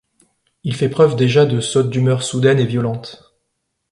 Il fait preuve déjà de sautes d'humeur soudaines et violentes.